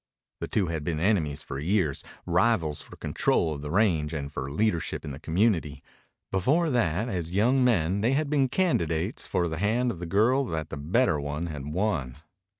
The two had been enemies for years, rivals for control of the range and for leadership in the community. Before that, as young men, they had been candidates for the hand of the girl that the better one had won.